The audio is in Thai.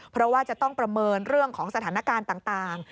เพราะว่าจะต้องประเมินเรื่องของสถานการณ์ต่าง